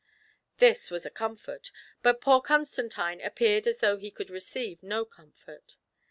This was a comfort, but poor Constantine appeared as though he could receive no comfort.